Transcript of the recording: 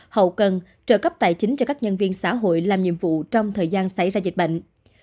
hậu cần trợ cấp tài chính cho các nhân viên xã hội làm nhiệm vụ trong thời gian xảy ra dịch bệnh